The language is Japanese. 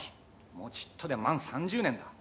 もうちっとで満三十年だ。